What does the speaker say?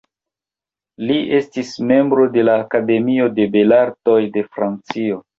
Li estis membro de la Akademio de Belartoj de Francio.